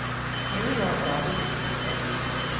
"Here we are, Bobby," said he.